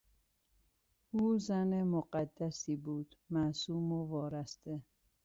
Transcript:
او زن مقدسی بود - معصوم و وارسته.